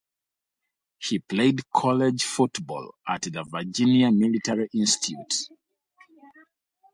He played college football at the Virginia Military Institute.